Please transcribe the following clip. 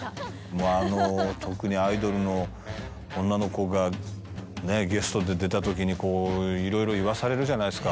もう特にアイドルの女の子がねぇゲストで出た時にこういろいろ言わされるじゃないですか。